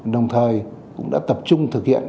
đồng thời cũng đã tập trung thực hiện